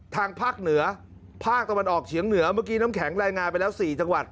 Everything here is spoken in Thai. ทางภาคเหนือภาคตะวันออกเฉียงเหนือเมื่อกี้น้ำแข็งรายงานไปแล้ว๔จังหวัด